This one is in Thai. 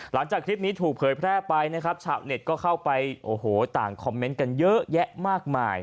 หลังจากคลิปนี้ถูกเผยแพร่ไปนะครับชาวเน็ตก็เข้าไปโอ้โหต่างคอมเมนต์กันเยอะแยะมากมาย